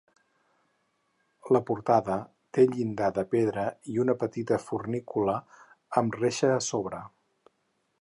La portada té llinda de pedra i una petita fornícula amb reixa a sobre.